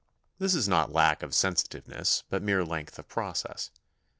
This is not lack of sensitiveness, but mere length of process.